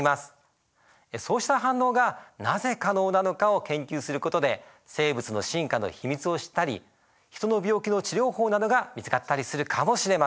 そうした反応がなぜ可能なのかを研究することで生物の進化の秘密を知ったりヒトの病気の治療法などが見つかったりするかもしれません。